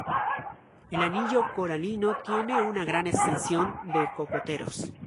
El anillo coralino tiene una gran extensión de cocoteros.